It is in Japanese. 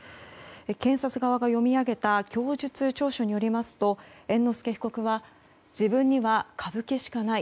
検察側が読み上げた供述調書によりますと猿之助被告は自分には歌舞伎しかない。